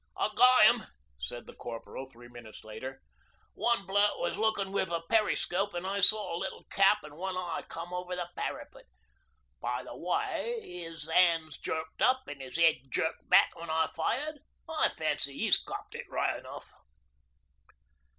'I got 'im,' said the corporal three minutes later. 'One bloke was looking with a periscope and I saw a little cap an' one eye come over the parapet. By the way 'is 'ands jerked up an' 'is 'ead jerked back when I fired, I fancy 'e copped it right enough.'